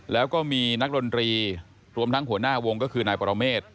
แล้วก็มีนักดนตรีรวมทั้งหัวหน้าวงก็คือนายปรเมฆ